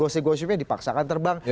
gossip gossipnya dipaksakan terus